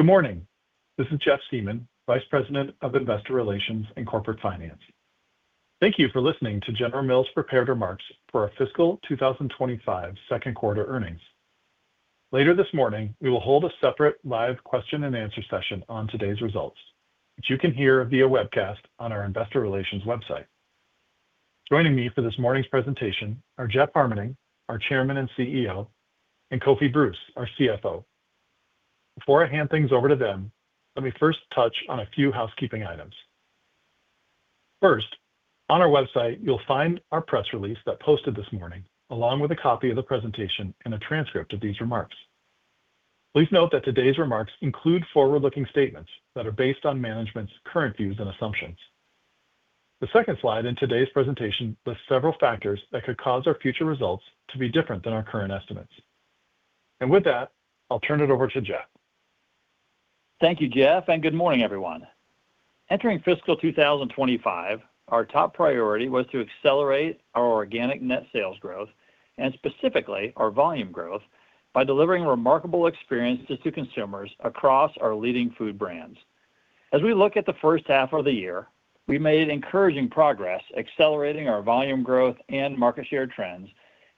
Good morning. This is Jeff Siemon, Vice President of Investor Relations and Corporate Finance. Thank you for listening to General Mills' prepared remarks for our fiscal 2025 second quarter earnings. Later this morning, we will hold a separate live question-and-answer session on today's results, which you can hear via webcast on our Investor Relations website. Joining me for this morning's presentation are Jeff Harmening, our Chairman and CEO, and Kofi Bruce, our CFO. Before I hand things over to them, let me first touch on a few housekeeping items. First, on our website, you'll find our press release that posted this morning, along with a copy of the presentation and a transcript of these remarks. Please note that today's remarks include forward-looking statements that are based on management's current views and assumptions. The second slide in today's presentation lists several factors that could cause our future results to be different than our current estimates. And with that, I'll turn it over to Jeff. Thank you, Jeff, and good morning, everyone. Entering fiscal 2025, our top priority was to accelerate our organic net sales growth and, specifically, our volume growth by delivering remarkable experiences to consumers across our leading food brands. As we look at the first half of the year, we made encouraging progress, accelerating our volume growth and market share trends,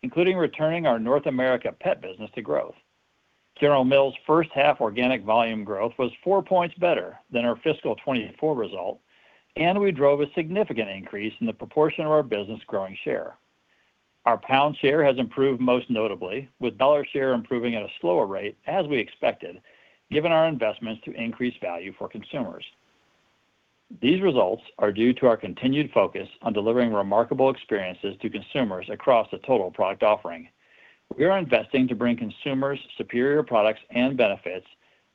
including returning our North America Pet business to growth. General Mills' first-half organic volume growth was four points better than our fiscal 2024 result, and we drove a significant increase in the proportion of our business growing share. Our pound share has improved most notably, with dollar share improving at a slower rate as we expected, given our investments to increase value for consumers. These results are due to our continued focus on delivering remarkable experiences to consumers across the total product offering. We are investing to bring consumers superior products and benefits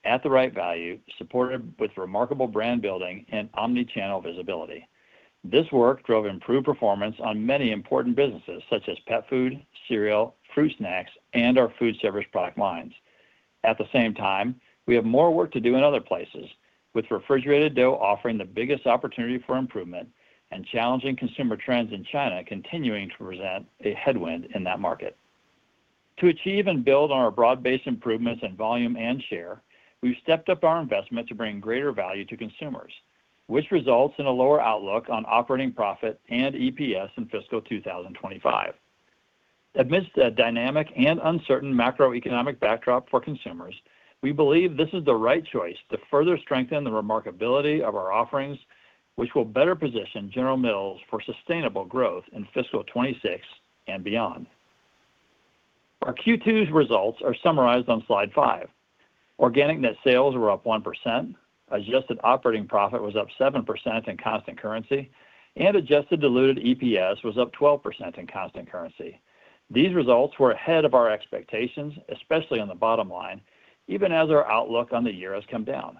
at the right value, supported with remarkable brand building and omnichannel visibility. This work drove improved performance on many important businesses, such as pet food, cereal, fruit snacks, and our food service product lines. At the same time, we have more work to do in other places, with refrigerated dough offering the biggest opportunity for improvement and challenging consumer trends in China continuing to present a headwind in that market. To achieve and build on our broad-based improvements in volume and share, we've stepped up our investment to bring greater value to consumers, which results in a lower outlook on operating profit and EPS in fiscal 2025. Amidst a dynamic and uncertain macroeconomic backdrop for consumers, we believe this is the right choice to further strengthen the remarkability of our offerings, which will better position General Mills for sustainable growth in fiscal 2026 and beyond. Our Q2 results are summarized on slide five. Organic net sales were up 1%, adjusted operating profit was up 7% in constant currency, and adjusted diluted EPS was up 12% in constant currency. These results were ahead of our expectations, especially on the bottom line, even as our outlook on the year has come down.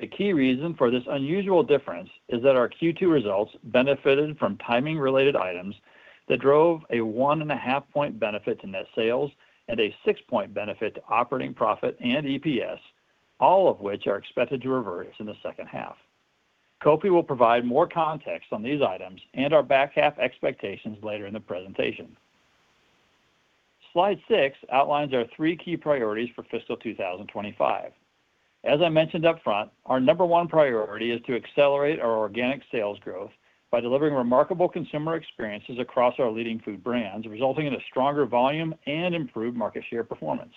The key reason for this unusual difference is that our Q2 results benefited from timing-related items that drove a 1.5-point benefit to net sales and a 6-point benefit to operating profit and EPS, all of which are expected to reverse in the second half. Kofi will provide more context on these items and our back-half expectations later in the presentation. Slide six outlines our three key priorities for fiscal 2025. As I mentioned upfront, our number one priority is to accelerate our organic sales growth by delivering remarkable consumer experiences across our leading food brands, resulting in a stronger volume and improved market share performance.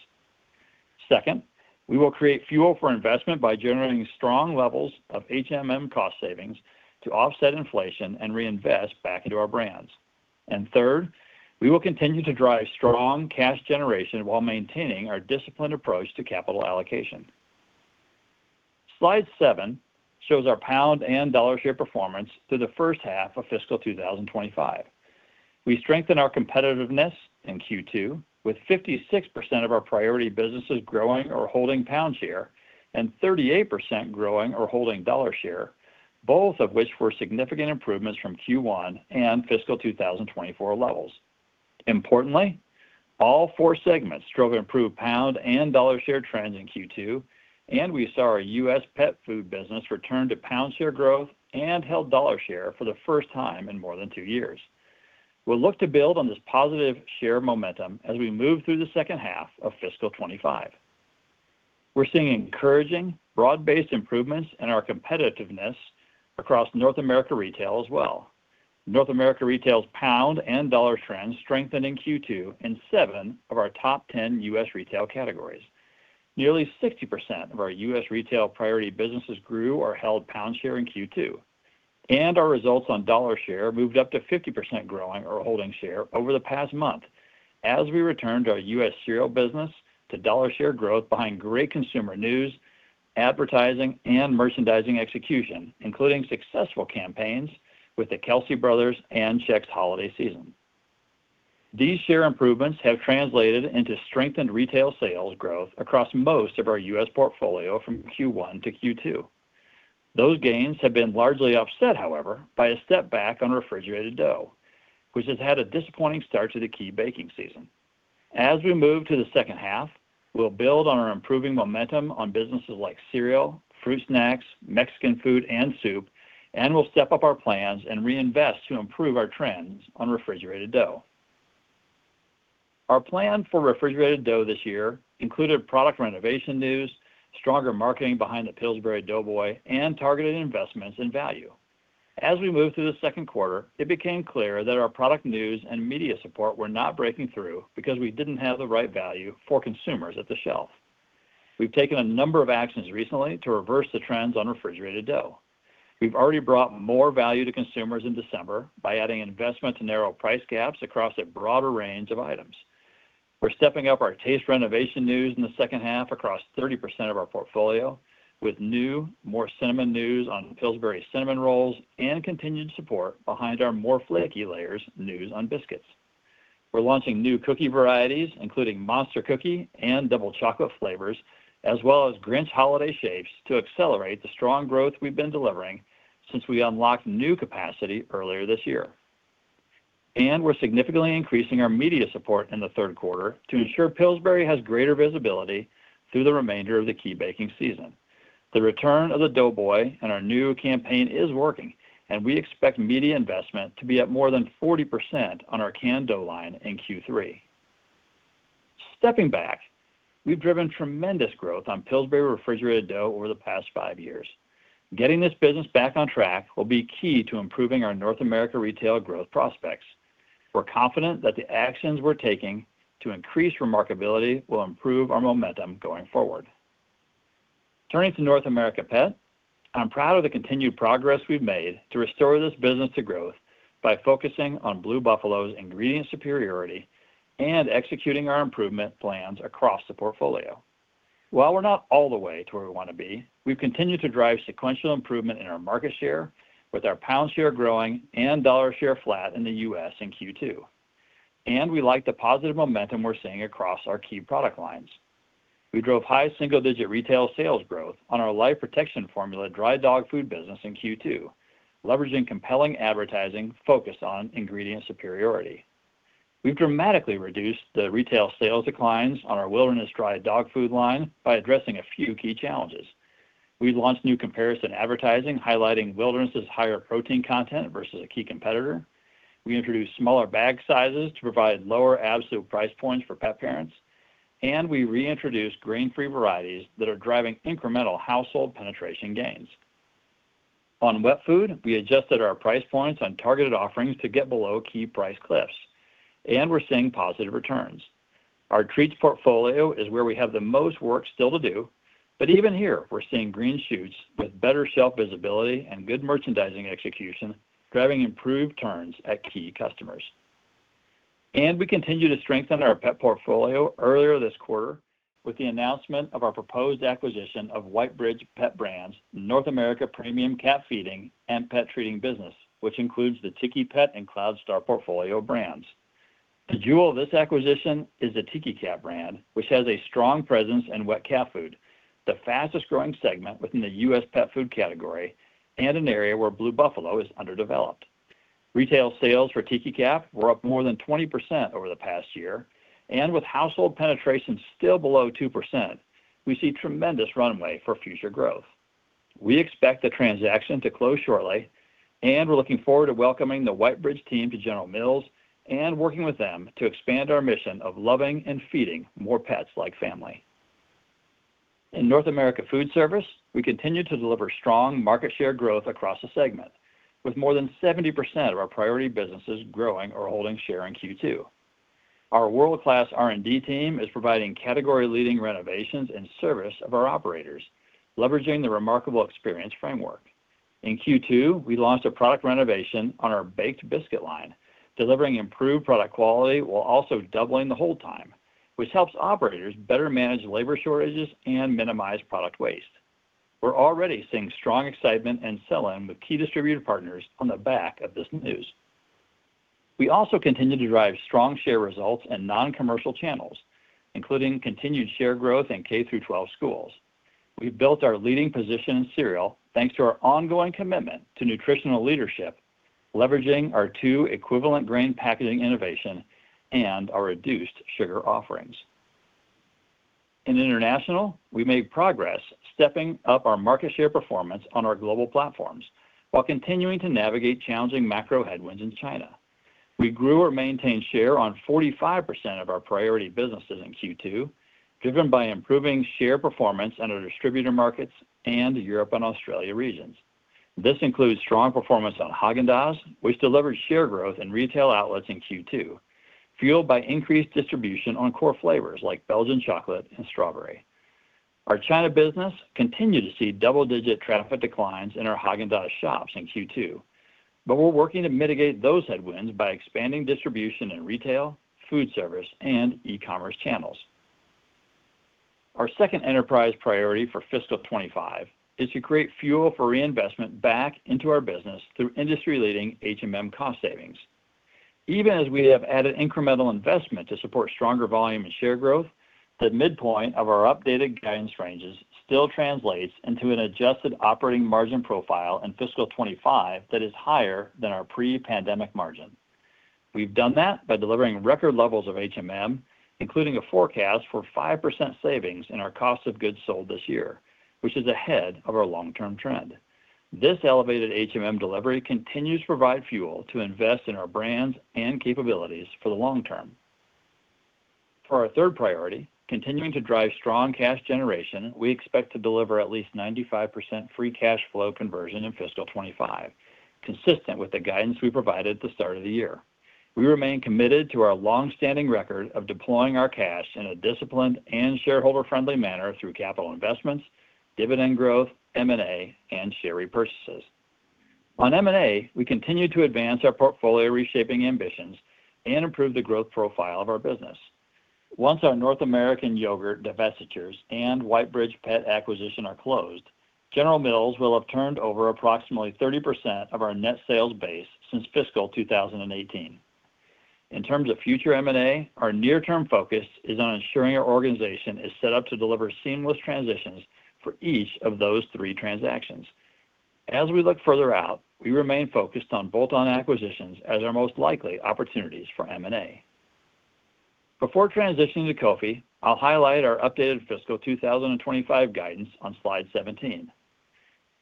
Second, we will create fuel for investment by generating strong levels of cost savings to offset inflation and reinvest back into our brands. And third, we will continue to drive strong cash generation while maintaining our disciplined approach to capital allocation. Slide seven shows our pound and dollar share performance through the first half of fiscal 2025. We strengthened our competitiveness in Q2 with 56% of our priority businesses growing or holding pound share and 38% growing or holding dollar share, both of which were significant improvements from Q1 and fiscal 2024 levels. Importantly, all four segments drove improved pound and dollar share trends in Q2, and we saw our U.S. pet food business return to pound share growth and held dollar share for the first time in more than two years. We'll look to build on this positive share momentum as we move through the second half of fiscal 2025. We're seeing encouraging broad-based improvements in our competitiveness across North America Retail as well. North America Retail's pound and dollar trends strengthened in Q2 in seven of our top 10 U.S. retail categories. Nearly 60% of our U.S. Retail priority businesses grew or held pound share in Q2, and our results on dollar share moved up to 50% growing or holding share over the past month as we returned our U.S. cereal business to dollar share growth behind great consumer news, advertising, and merchandising execution, including successful campaigns with the Kelce Brothers and Chex Holiday season. These share improvements have translated into strengthened retail sales growth across most of our U.S. portfolio from Q1 to Q2. Those gains have been largely offset, however, by a step back on refrigerated dough, which has had a disappointing start to the key baking season. As we move to the second half, we'll build on our improving momentum on businesses like cereal, fruit snacks, Mexican food, and soup, and we'll step up our plans and reinvest to improve our trends on refrigerated dough. Our plan for refrigerated dough this year included product renovation news, stronger marketing behind the Pillsbury Doughboy, and targeted investments in value. As we move through the second quarter, it became clear that our product news and media support were not breaking through because we didn't have the right value for consumers at the shelf. We've taken a number of actions recently to reverse the trends on refrigerated dough. We've already brought more value to consumers in December by adding investment to narrow price gaps across a broader range of items. We're stepping up our taste renovation news in the second half across 30% of our portfolio, with new, more cinnamon news on Pillsbury cinnamon rolls and continued support behind our more flaky layers news on biscuits. We're launching new cookie varieties, including Monster Cookie and Double Chocolate flavors, as well as Grinch Holiday shapes to accelerate the strong growth we've been delivering since we unlocked new capacity earlier this year. And we're significantly increasing our media support in the third quarter to ensure Pillsbury has greater visibility through the remainder of the key baking season. The return of the Doughboy and our new campaign is working, and we expect media investment to be at more than 40% on our canned dough line in Q3. Stepping back, we've driven tremendous growth on Pillsbury refrigerated dough over the past five years. Getting this business back on track will be key to improving our North America Retail growth prospects. We're confident that the actions we're taking to increase remarkability will improve our momentum going forward. Turning to North America Pet, I'm proud of the continued progress we've made to restore this business to growth by focusing on Blue Buffalo's ingredient superiority and executing our improvement plans across the portfolio. While we're not all the way to where we want to be, we've continued to drive sequential improvement in our market share with our pound share growing and dollar share flat in the U.S. in Q2, and we like the positive momentum we're seeing across our key product lines. We drove high single-digit retail sales growth on our Life Protection Formula dry dog food business in Q2, leveraging compelling advertising focused on ingredient superiority. We've dramatically reduced the retail sales declines on our Wilderness dry dog food line by addressing a few key challenges. We launched new comparison advertising highlighting Wilderness's higher protein content versus a key competitor. We introduced smaller bag sizes to provide lower absolute price points for pet parents, and we reintroduced grain-free varieties that are driving incremental household penetration gains. On wet food, we adjusted our price points on targeted offerings to get below key price cliffs, and we're seeing positive returns. Our treats portfolio is where we have the most work still to do, but even here, we're seeing green shoots with better shelf visibility and good merchandising execution, driving improved turns at key customers. And we continue to strengthen our pet portfolio earlier this quarter with the announcement of our proposed acquisition of White Bridge Pet Brands' North America premium cat feeding and pet treating business, which includes the Tiki Pets and Cloud Star portfolio brands. The jewel of this acquisition is the Tiki Cat brand, which has a strong presence in wet cat food, the fastest-growing segment within the U.S. pet food category and an area where Blue Buffalo is underdeveloped. Retail sales for Tiki Cat were up more than 20% over the past year, and with household penetration still below 2%, we see tremendous runway for future growth. We expect the transaction to close shortly, and we're looking forward to welcoming the White Bridge team to General Mills and working with them to expand our mission of loving and feeding more pets like family. In North America Foodservice, we continue to deliver strong market share growth across the segment, with more than 70% of our priority businesses growing or holding share in Q2. Our world-class R&D team is providing category-leading renovations and service of our operators, leveraging the remarkable experience framework. In Q2, we launched a product renovation on our baked biscuit line, delivering improved product quality while also doubling the hold time, which helps operators better manage labor shortages and minimize product waste. We're already seeing strong excitement and sell-in with key distributor partners on the back of this news. We also continue to drive strong share results in non-commercial channels, including continued share growth in K-12 schools. We've built our leading position in cereal thanks to our ongoing commitment to nutritional leadership, leveraging our two equivalent grain packaging innovations and our reduced sugar offerings. In international, we made progress, stepping up our market share performance on our global platforms while continuing to navigate challenging macro headwinds in China. We grew or maintained share on 45% of our priority businesses in Q2, driven by improving share performance in our distributor markets and the Europe and Australia regions. This includes strong performance on Häagen-Dazs, which delivered share growth in retail outlets in Q2, fueled by increased distribution on core flavors like Belgian chocolate and strawberry. Our China business continued to see double-digit traffic declines in our Häagen-Dazs shops in Q2, but we're working to mitigate those headwinds by expanding distribution in retail, food service, and e-commerce channels. Our second enterprise priority for Fiscal 2025 is to create fuel for reinvestment back into our business through industry-leading cost savings. Even as we have added incremental investment to support stronger volume and share growth, the midpoint of our updated guidance ranges still translates into an adjusted operating margin profile in Fiscal 2025 that is higher than our pre-pandemic margin. We've done that by delivering record levels of including a forecast for 5% savings in our cost of goods sold this year, which is ahead of our long-term trend. This elevated delivery continues to provide fuel to invest in our brands and capabilities for the long term. For our third priority, continuing to drive strong cash generation, we expect to deliver at least 95% free cash flow conversion in fiscal 2025, consistent with the guidance we provided at the start of the year. We remain committed to our long-standing record of deploying our cash in a disciplined and shareholder-friendly manner through capital investments, dividend growth, M&A, and share repurchases. On M&A, we continue to advance our portfolio reshaping ambitions and improve the growth profile of our business. Once our North American yogurt divestitures and White Bridge Pet Brands acquisition are closed, General Mills will have turned over approximately 30% of our net sales base since fiscal 2018. In terms of future M&A, our near-term focus is on ensuring our organization is set up to deliver seamless transitions for each of those three transactions. As we look further out, we remain focused on bolt-on acquisitions as our most likely opportunities for M&A. Before transitioning to Kofi, I'll highlight our updated fiscal 2025 guidance on slide 17.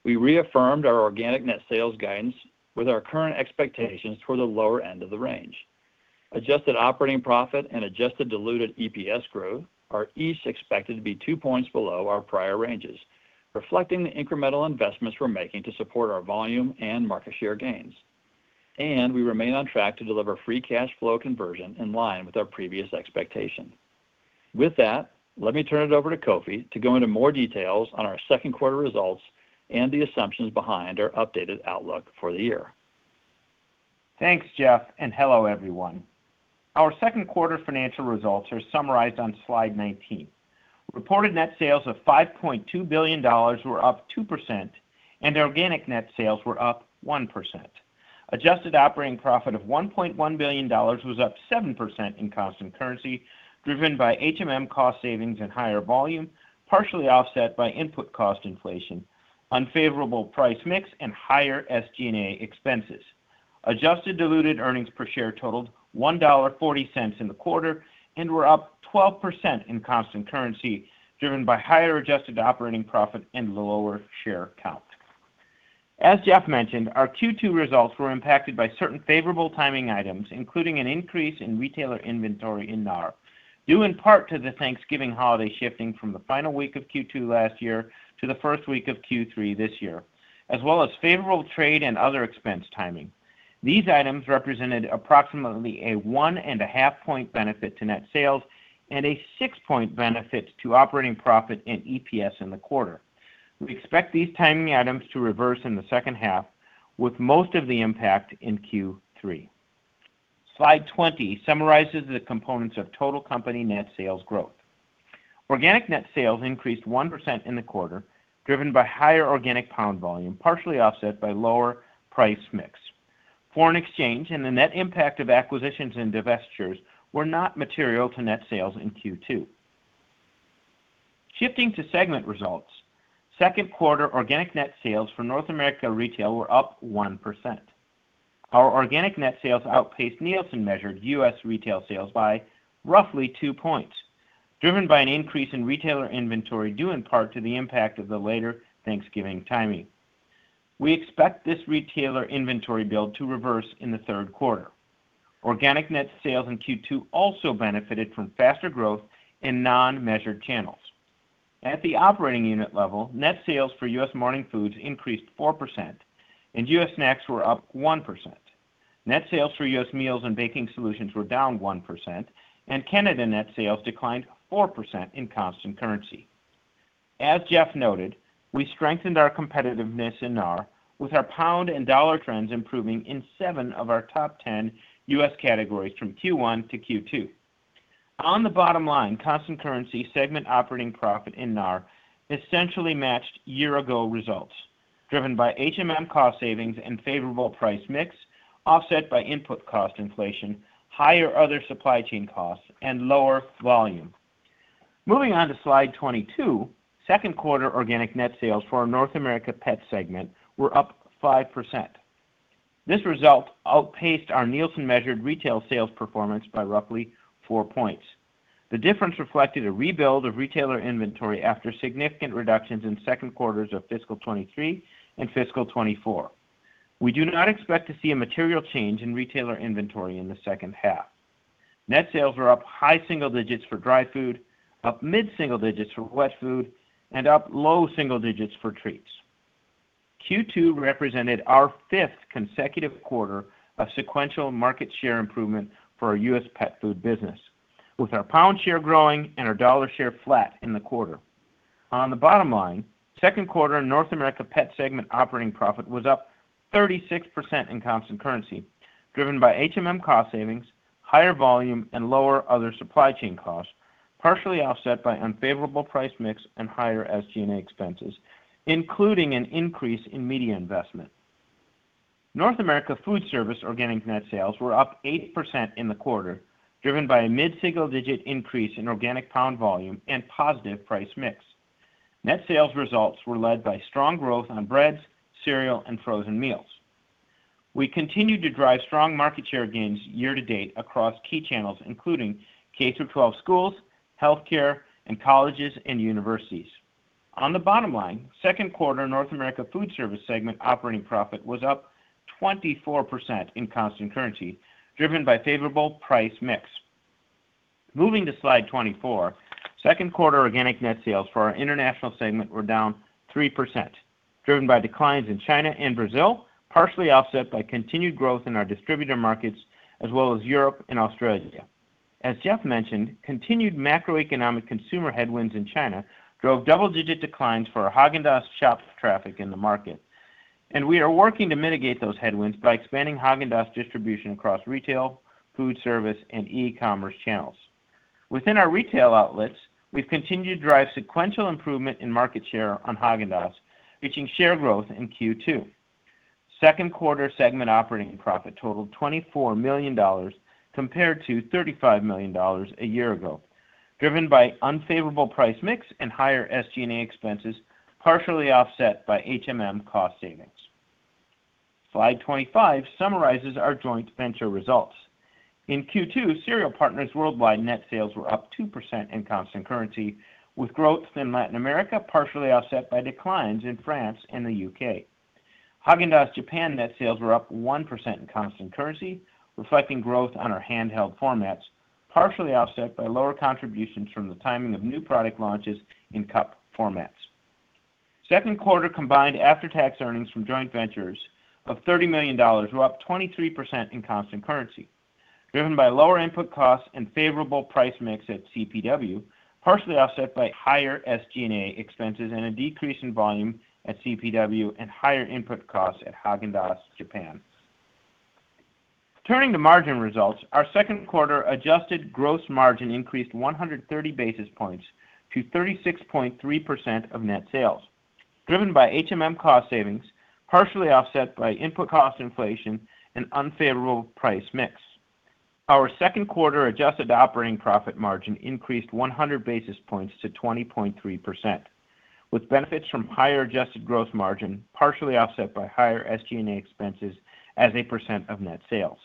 We reaffirmed our organic net sales guidance with our current expectations toward the lower end of the range. Adjusted operating profit and adjusted diluted EPS growth are each expected to be two points below our prior ranges, reflecting the incremental investments we're making to support our volume and market share gains, and we remain on track to deliver free cash flow conversion in line with our previous expectation. With that, let me turn it over to Kofi to go into more details on our second quarter results and the assumptions behind our updated outlook for the year. Thanks, Jeff, and hello, everyone. Our second quarter financial results are summarized on slide 19. Reported net sales of $5.2 billion were up 2%, and organic net sales were up 1%. Adjusted operating profit of $1.1 billion was up 7% in constant currency, driven by cost savings and higher volume, partially offset by input cost inflation, unfavorable price mix, and higher SG&A expenses. Adjusted diluted earnings per share totaled $1.40 in the quarter and were up 12% in constant currency, driven by higher adjusted operating profit and lower share count. As Jeff mentioned, our Q2 results were impacted by certain favorable timing items, including an increase in retailer inventory in NAR, due in part to the Thanksgiving holiday shifting from the final week of Q2 last year to the first week of Q3 this year, as well as favorable trade and other expense timing. These items represented approximately a one and a half point benefit to net sales and a six-point benefit to operating profit and EPS in the quarter. We expect these timing items to reverse in the second half, with most of the impact in Q3. Slide 20 summarizes the components of total company net sales growth. Organic net sales increased 1% in the quarter, driven by higher organic pound volume, partially offset by lower price mix. Foreign exchange and the net impact of acquisitions and divestitures were not material to net sales in Q2. Shifting to segment results, second quarter organic net sales for North America Retail were up 1%. Our organic net sales outpaced Nielsen-measured U.S. retail sales by roughly two points, driven by an increase in retailer inventory due in part to the impact of the later Thanksgiving timing. We expect this retailer inventory build to reverse in the third quarter. Organic net sales in Q2 also benefited from faster growth in non-measured channels. At the operating unit level, net sales for U.S. morning foods increased 4%, and U.S. snacks were up 1%. Net sales for U.S. meals and baking solutions were down 1%, and Canada net sales declined 4% in constant currency. As Jeff noted, we strengthened our competitiveness in NAR, with our pound and dollar trends improving in seven of our top 10 U.S. categories from Q1 to Q2. On the bottom line, constant currency segment operating profit in NAR essentially matched year-ago results, driven by cost savings and favorable price mix, offset by input cost inflation, higher other supply chain costs, and lower volume. Moving on to slide 22, second quarter organic net sales for our North America Pet segment were up 5%. This result outpaced our Nielsen-measured retail sales performance by roughly four points. The difference reflected a rebuild of retailer inventory after significant reductions in second quarters of fiscal 2023 and fiscal 2024. We do not expect to see a material change in retailer inventory in the second half. Net sales were up high single digits for dry food, up mid-single digits for wet food, and up low single digits for treats. Q2 represented our fifth consecutive quarter of sequential market share improvement for our U.S. Pet food business, with our pound share growing and our dollar share flat in the quarter. On the bottom line, second quarter North America Pet segment operating profit was up 36% in constant currency, driven by cost savings, higher volume, and lower other supply chain costs, partially offset by unfavorable price mix and higher SG&A expenses, including an increase in media investment. North America Foodservice organic net sales were up 8% in the quarter, driven by a mid-single digit increase in organic pound volume and positive price mix. Net sales results were led by strong growth on breads, cereal, and frozen meals. We continued to drive strong market share gains year-to-date across key channels, including K-12 schools, healthcare, and colleges and universities. On the bottom line, second quarter North America Foodservice segment operating profit was up 24% in constant currency, driven by favorable price mix. Moving to slide 24, second quarter organic net sales for our international segment were down 3%, driven by declines in China and Brazil, partially offset by continued growth in our distributor markets, as well as Europe and Australia. As Jeff mentioned, continued macroeconomic consumer headwinds in China drove double-digit declines for our Häagen-Dazs shop traffic in the market, and we are working to mitigate those headwinds by expanding Häagen-Dazs distribution across retail, food service, and e-commerce channels. Within our retail outlets, we've continued to drive sequential improvement in market share on Häagen-Dazs, reaching share growth in Q2. Second quarter segment operating profit totaled $24 million compared to $35 million a year ago, driven by unfavorable price mix and higher SG&A expenses, partially offset by cost savings. Slide 25 summarizes our joint venture results. In Q2, Cereal Partners Worldwide net sales were up 2% in constant currency, with growth in Latin America partially offset by declines in France and the UK. Häagen-Dazs Japan net sales were up 1% in constant currency, reflecting growth on our handheld formats, partially offset by lower contributions from the timing of new product launches in cup formats. Second quarter combined after-tax earnings from joint ventures of $30 million were up 23% in constant currency, driven by lower input costs and favorable price mix at CPW, partially offset by higher SG&A expenses and a decrease in volume at CPW and higher input costs at Häagen-Dazs Japan. Turning to margin results, our second quarter adjusted gross margin increased 130 basis points to 36.3% of net sales, driven by cost savings, partially offset by input cost inflation and unfavorable price mix. Our second quarter adjusted operating profit margin increased 100 basis points to 20.3%, with benefits from higher adjusted gross margin, partially offset by higher SG&A expenses as a % of net sales.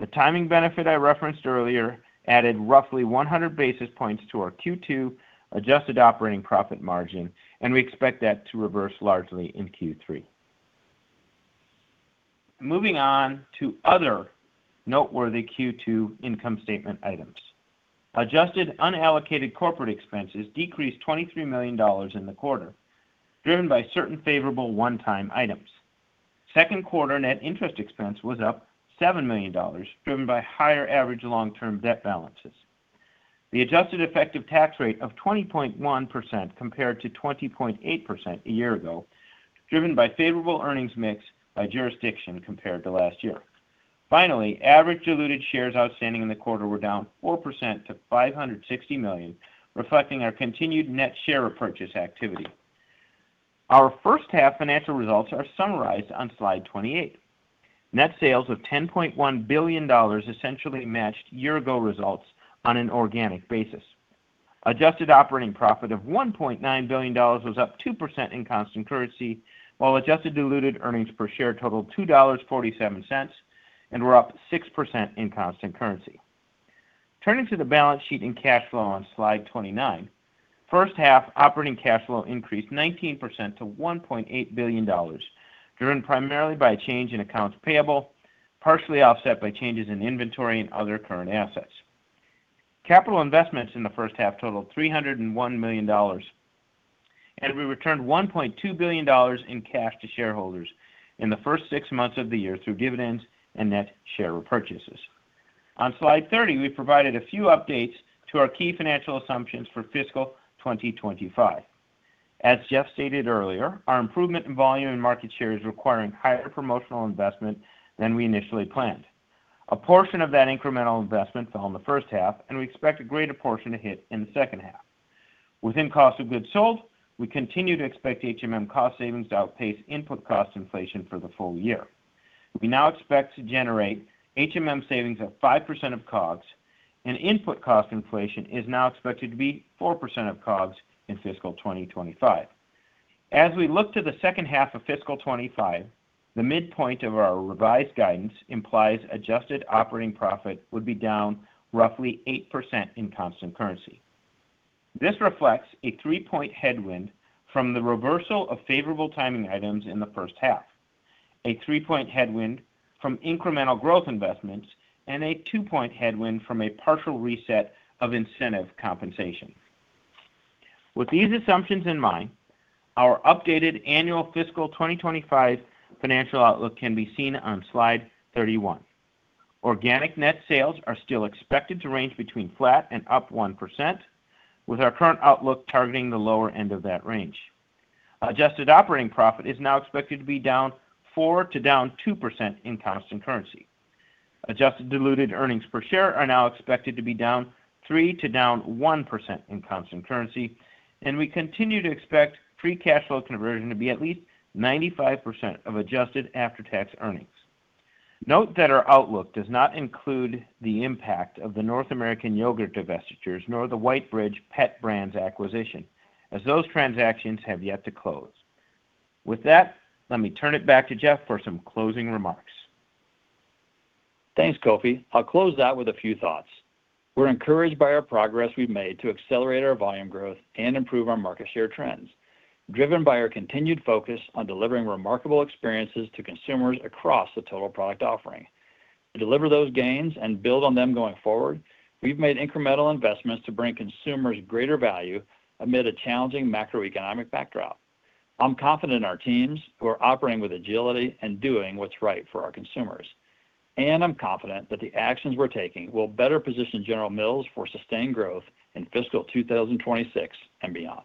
The timing benefit I referenced earlier added roughly 100 basis points to our Q2 adjusted operating profit margin, and we expect that to reverse largely in Q3. Moving on to other noteworthy Q2 income statement items. Adjusted unallocated corporate expenses decreased $23 million in the quarter, driven by certain favorable one-time items. Second quarter net interest expense was up $7 million, driven by higher average long-term debt balances. The adjusted effective tax rate of 20.1% compared to 20.8% a year ago, driven by favorable earnings mix by jurisdiction compared to last year. Finally, average diluted shares outstanding in the quarter were down 4% to 560 million, reflecting our continued net share purchase activity. Our first half financial results are summarized on slide 28. Net sales of $10.1 billion essentially matched year-ago results on an organic basis. Adjusted operating profit of $1.9 billion was up 2% in constant currency, while adjusted diluted earnings per share totaled $2.47 and were up 6% in constant currency. Turning to the balance sheet and cash flow on slide 29, first half operating cash flow increased 19% to $1.8 billion, driven primarily by a change in accounts payable, partially offset by changes in inventory and other current assets. Capital investments in the first half totaled $301 million, and we returned $1.2 billion in cash to shareholders in the first six months of the year through dividends and net share repurchases. On slide 30, we provided a few updates to our key financial assumptions for fiscal 2025. As Jeff stated earlier, our improvement in volume and market share is requiring higher promotional investment than we initially planned. A portion of that incremental investment fell in the first half, and we expect a greater portion to hit in the second half. Within cost of goods sold, we continue to expect cost savings to outpace input cost inflation for the full year. We now expect to generate savings of 5% of COGS, and input cost inflation is now expected to be 4% of COGS in fiscal 2025. As we look to the second half of fiscal 2025, the midpoint of our revised guidance implies adjusted operating profit would be down roughly 8% in constant currency. This reflects a three-point headwind from the reversal of favorable timing items in the first half, a three-point headwind from incremental growth investments, and a two-point headwind from a partial reset of incentive compensation. With these assumptions in mind, our updated annual fiscal 2025 financial outlook can be seen on slide 31. Organic net sales are still expected to range between flat and up 1%, with our current outlook targeting the lower end of that range. Adjusted operating profit is now expected to be down 4% to down 2% in constant currency. Adjusted diluted earnings per share are now expected to be down 3% to down 1% in constant currency, and we continue to expect free cash flow conversion to be at least 95% of adjusted after-tax earnings. Note that our outlook does not include the impact of the North American yogurt divestitures nor the White Bridge Pet Brands acquisition, as those transactions have yet to close. With that, let me turn it back to Jeff for some closing remarks. Thanks, Kofi. I'll close out with a few thoughts. We're encouraged by our progress we've made to accelerate our volume growth and improve our market share trends, driven by our continued focus on delivering remarkable experiences to consumers across the total product offering. To deliver those gains and build on them going forward, we've made incremental investments to bring consumers greater value amid a challenging macroeconomic backdrop. I'm confident in our teams who are operating with agility and doing what's right for our consumers, and I'm confident that the actions we're taking will better position General Mills for sustained growth in fiscal 2026 and beyond.